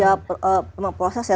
ya memang proses ya